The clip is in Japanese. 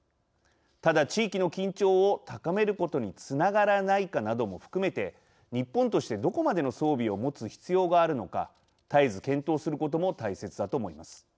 ただ地域の緊張を高めることにつながらないかなども含めて日本として、どこまでの装備を持つ必要があるのか絶えず検討することも大切だと思います。